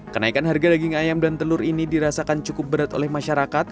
kenaikan harga daging ayam dan telur ini dirasakan cukup berat oleh masyarakat